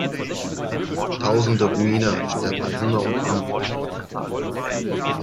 Tausende Guineer sterben an Hunger und Armut.